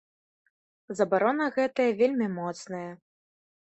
Забарона гэтая вельмі моцная.